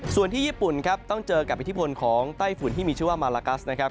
ส่วนที่ญี่ปุ่นครับต้องเจอกับอิทธิพลของไต้ฝุ่นที่มีชื่อว่ามาลากัสนะครับ